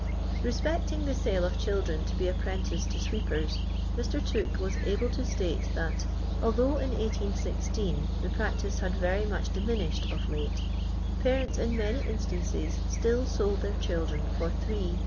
lle«pecting the s;»le of children to be appren tices to sweeper.^, Mr. To(»ke waii able to state that, although in 1810, the practice had very much diminished of late, parents in many instances still ^of'l their chiUh'cn for tlint.